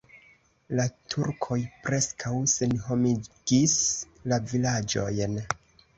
La turkoj preskaŭ senhomigis la vilaĝojn.